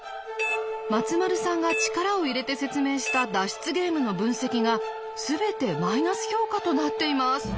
松丸さんが力を入れて説明した脱出ゲームの分析が全てマイナス評価となっています。